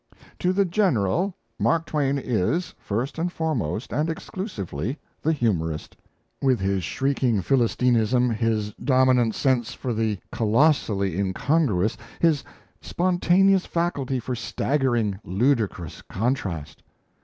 To the general, Mark Twain is, first and foremost and exclusively, the humorist with his shrieking Philistinism, his dominant sense for the colossally incongruous, his spontaneous faculty for staggering, ludicrous contrast.